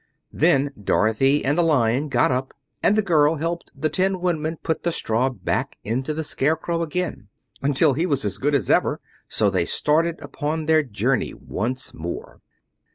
Then Dorothy and the Lion got up, and the girl helped the Tin Woodman put the straw back into the Scarecrow again, until he was as good as ever. So they started upon their journey once more.